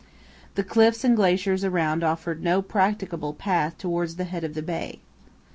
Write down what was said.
The cliffs and glaciers around offered no practicable path towards the head of the bay.